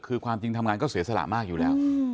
คือความจริงทำงานก็เสียสละมากอยู่แล้ว